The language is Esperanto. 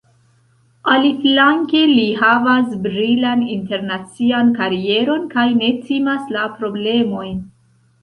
Aliflanke, li havas brilan internacian karieron kaj ne timas la problemojn.